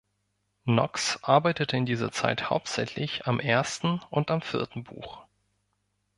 Knox arbeitete in dieser Zeit hauptsächlich am ersten und am vierten Buch.